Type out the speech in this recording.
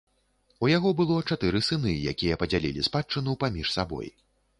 У яго было чатыры сыны, якія падзялілі спадчыну паміж сабой.